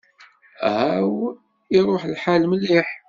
Aw, iṛuḥ lḥal mliḥ!